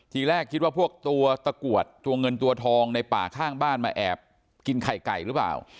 ทีแรกคิดว่าพวกตัวตะกรวดตัวเงินตัวทองในป่าข้างบ้านมาแอบกินไข่ไก่หรือเปล่า